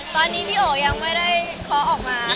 ตอนนี้พี่โอยังไม่ได้เคาะออกมา